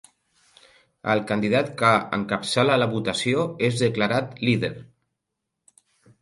El candidat que encapçala la votació és declarat líder.